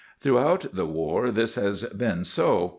Throughout the war this has been so.